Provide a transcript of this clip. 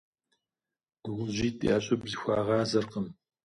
Дыгъужьитӏ я щӏыб зэхуагъазэркъым.